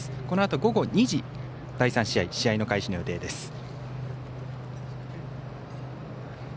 このあと午後２時、第３試合試合の開始の予定です。